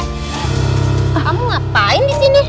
eh kamu ngapain disini